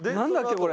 これ。